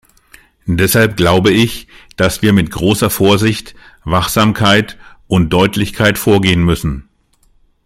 Deshalb glaube ich, dass wir mit großer Vorsicht, Wachsamkeit und Deutlichkeit vorgehen müssen.